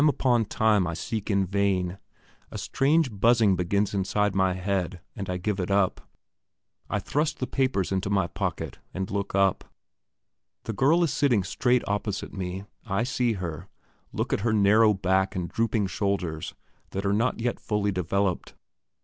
Time upon time I seek in vain; a strange buzzing begins inside my head, and I give it up. I thrust the papers into my pocket, and look up. The girl is sitting straight opposite me. I look at her look at her narrow back and drooping shoulders, that are not yet fully developed.